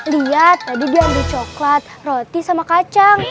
lihat tadi dia ambil coklat roti sama kacang